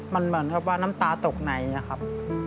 มันเหมือนกับว่าน้ำตาตกในอะครับ